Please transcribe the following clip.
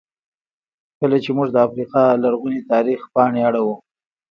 کله چې موږ د افریقا لرغوني تاریخ پاڼې اړوو.